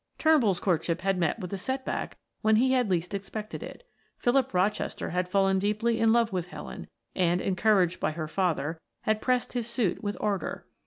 Turnbull's courtship had met with a set back where he had least expected it Philip Rochester had fallen deeply in love with Helen and, encouraged by her father, had pressed his suit with ardor.